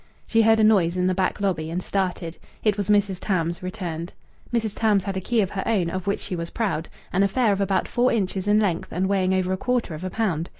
She heard a noise in the back lobby, and started. It was Mrs. Tams, returned. Mrs. Tams had a key of her own, of which she was proud an affair of about four inches in length and weighing over a quarter of a pound.